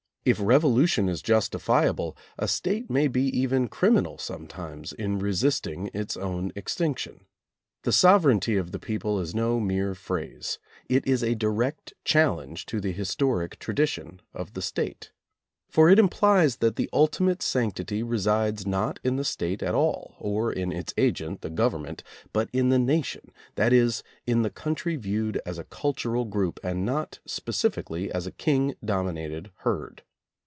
If revolution is justifiable a State may be even criminal sometimes in resisting its own extinction. The sovereignty of the people is no mere phrase. It is a direct challenge to the historic tradition of the State. For it im plies that the ultimate sanctity resides not in the State at all or in its agent, the government, but in the nation, that is, in the country viewed as a cultural group and not specifically as a king dominated herd.